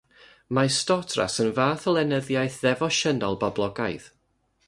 Mae stotras yn fath o lenyddiaeth ddefosiynol boblogaidd.